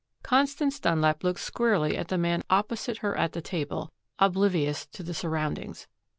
Constance Dunlap looked squarely at the man opposite her at the table, oblivious to the surroundings.